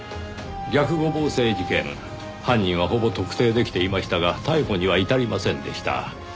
逆五芒星事件犯人はほぼ特定できていましたが逮捕には至りませんでした。